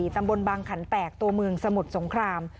ตำบลบางขันแตกตัวเมืองสมุทรสงคราม